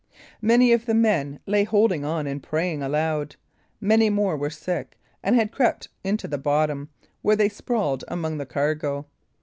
Many of the men lay holding on and praying aloud; many more were sick, and had crept into the bottom, where they sprawled among the cargo.